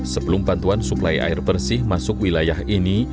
sebelum bantuan suplai air bersih masuk wilayah ini